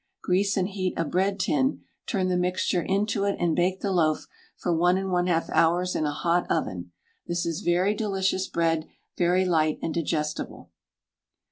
Grease and heat a bread tin, turn the mixture into it, and bake the loaf for 1 1/2 hours in a hot oven. This is very delicious bread, very light and digestible.